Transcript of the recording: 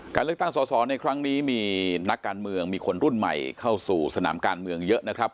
การเลือกตั้งสอสอในครั้งนี้มีนักการเมืองมีคนรุ่นใหม่เข้าสู่สนามการเมืองเยอะนะครับ